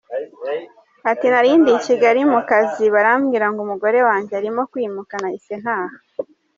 Ati “Narindi i Kigali mu kazi barambwira ngo umugore wanjye arimo kwimuka nahise ntaha .